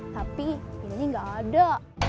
tapi ini gak ada